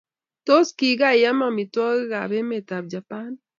Tos, kigaiame amitwogikab emetab japan